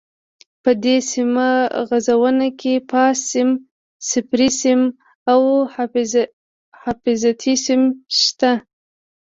په دې سیم غځونه کې فاز سیم، صفري سیم او حفاظتي سیم شته.